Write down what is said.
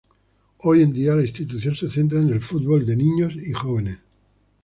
Hoy en día la institución se centra en el fútbol de niños y jóvenes.